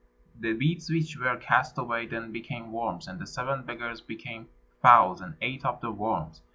The beads which were cast away then became worms, and the seven beggars became fowls and ate up the worms.